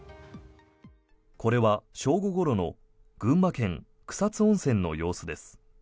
これは正午ごろの群馬県・草津温泉の様子です。